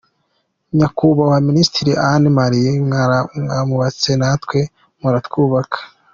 Nyakubahwa Minisitiri, Anne Marie mwaramwubatse, natwe muratwubaka.